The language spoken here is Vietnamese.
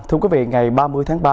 thưa quý vị ngày ba mươi tháng ba